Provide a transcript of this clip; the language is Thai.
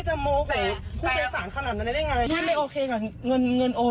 ถ้ากดขนส่งเขาไม่ให้กดเงินโอน